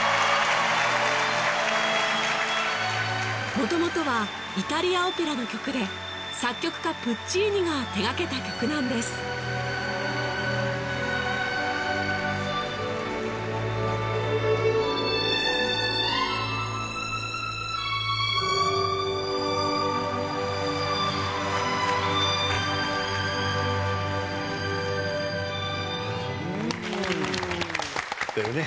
元々はイタリアオペラの曲で作曲家プッチーニが手掛けた曲なんですというね